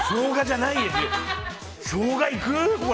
ショウガ、いく？